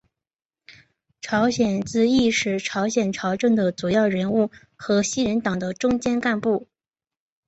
朝鲜之役时朝鲜朝政的主要人物和西人党的中坚干部。